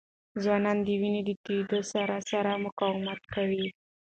ځوانان د وینې د تویېدو سره سره مقاومت کوي.